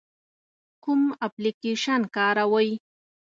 کوم اپلیکیشن کاروئ؟